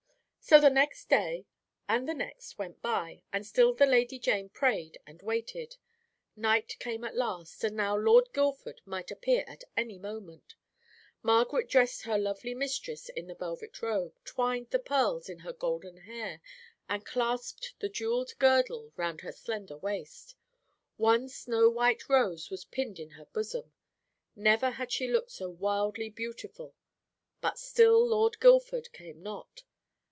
"So the next day and the next went by, and still the Lady Jane prayed and waited. Night came at last, and now Lord Guildford might appear at any moment. Margaret dressed her lovely mistress in the velvet robe, twined the pearls in her golden hair, and clasped the jewelled girdle round her slender waist. One snow white rose was pinned in her bosom. Never had she looked so wildly beautiful. But still Lord Guildford came not.